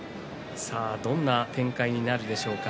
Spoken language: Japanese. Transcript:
どんな展開になるでしょうか。